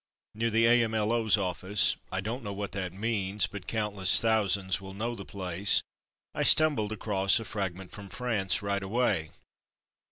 Near the A.M.L.O.'s office (I don't know what that means, but countless thousands will know the place), I stumbled across a "Fragment from France'' right away.